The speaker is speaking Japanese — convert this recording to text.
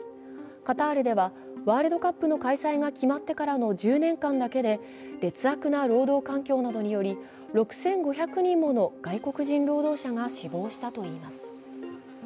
カタールではワールドカップの開催の決まってからの１０年間だけで劣悪な労働環境などにより６５００人もの外国人労働者が死亡したといいます。